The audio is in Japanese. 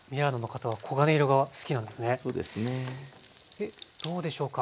でどうでしょうか？